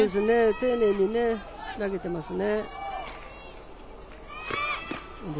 丁寧に投げていますね。